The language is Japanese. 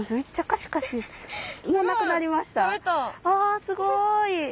あすごい。